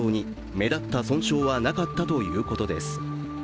目立った損傷はなかったということです。